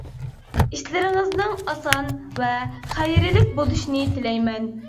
ئىشلىرىڭىزنىڭ ئاسان ۋە خەيرلىك بولۇشىنى تىلەيمەن.